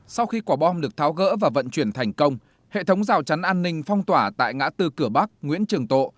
sau khi quả bom được tháo gỡ và vận chuyển thành công hệ thống rào chắn an ninh phong tỏa tại ngã tư cửa bắc nguyễn trường tộ